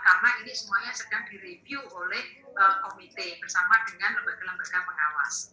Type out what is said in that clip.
karena ini semuanya sedang direview oleh komite bersama dengan lembaga lembaga pengawas